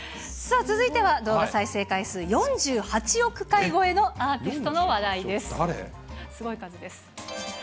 続いては動画再生回数４８億回超えのアーティストの話題です。